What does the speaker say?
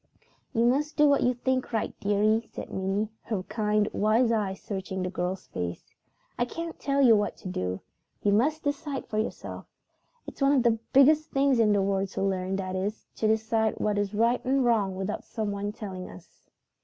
"You must do what you think right, dearie," said Minnie, her kind, wise eyes searching the girl's face. "I can't tell you what to do. You must decide for yourself. It's one of the biggest things in the world to learn; that is, to decide what is right and wrong without someone telling us."